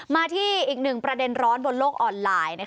มาที่อีกหนึ่งประเด็นร้อนบนโลกออนไลน์